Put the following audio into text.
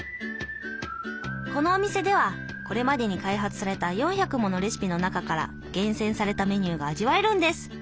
このお店ではこれまでに開発された４００ものレシピの中から厳選されたメニューが味わえるんです。